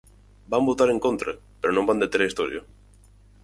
Van votar en contra pero non van deter a historia.